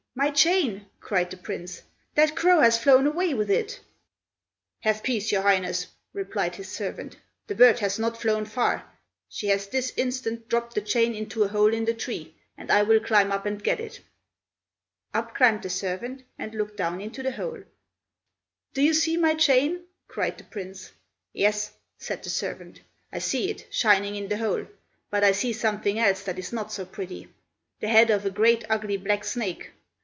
my chain!" cried the Prince. "That crow has flown away with it!" "Have peace, your Highness!" replied his servant. "The bird has not flown far; she has this instant dropped the chain into a hole in the tree, and I will climb up and get it." Up climbed the servant, and looked down into the hole. "Do you see my chain?" cried the Prince. "Yes," said the servant, "I see it, shining in the hole, but I see something else that is not so pretty; the head of a great ugly black snake.